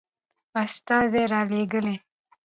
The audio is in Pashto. استازي لېږلي.